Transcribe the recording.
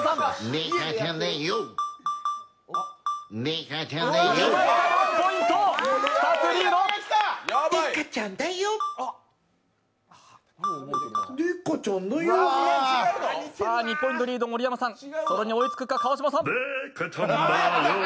さあ２ポイントリード、盛山さん、それに追いつくか川島さん。